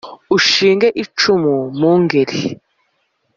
Ushinge icumu mu Ngeri,